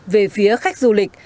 về phía khách du lịch